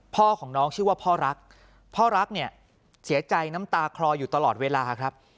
พ่อของน้องชื่อว่าพ่อรักพ่อรักเนี่ยเสียใจน้ำตาคลออยู่ตลอดเวลาครับ